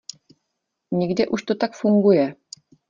Někde už to tak funguje.